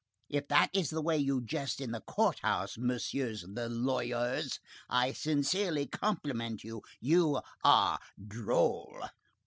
If that is the way you jest at the courthouse, Messieurs the lawyers, I sincerely compliment you. You are droll."